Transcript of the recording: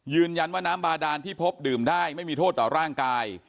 น้ำบาดานที่พบดื่มได้ไม่มีโทษต่อร่างกาย